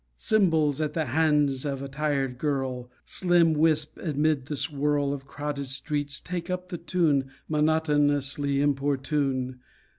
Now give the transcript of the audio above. Cymbals, at the hands of a tired girl, Slim wisp amid the swirl Of crowded streets, take up the tune, Monotonously importune.